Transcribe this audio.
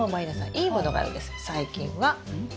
いい物があるんです最近は。